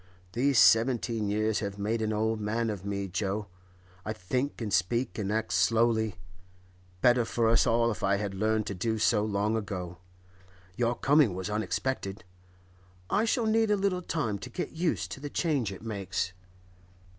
These seventeen years have made an old man of me, Jo; I think and speak and act slowly:—better for us all if I had learned to do so long ago! Your coming was unexpected; I shall need a little time to get used to the change it makes.